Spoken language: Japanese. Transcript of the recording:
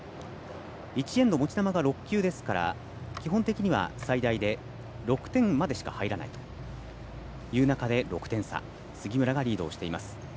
１エンド持ち球が６球ですから基本的には最大で６点までしか入らないという中で６点差、杉村がリード。